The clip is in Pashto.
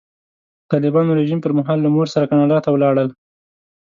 د طالبانو رژیم پر مهال له مور سره کاناډا ته ولاړل.